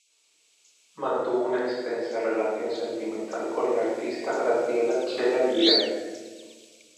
Mantuvo una extensa relación sentimental con la artista Graciela "Chela" Lira.